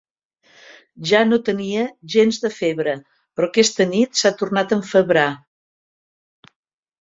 Ja no tenia gens de febre, però aquesta nit s'ha tornat a enfebrar.